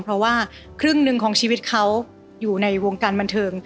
เพราะว่าครึ่งหนึ่งของชีวิตเขาอยู่ในวงการบันเทิง